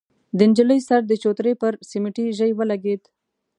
د نجلۍ سر د چوترې پر سميټي ژۍ ولګېد.